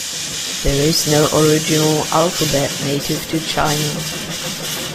There is no original alphabet native to China.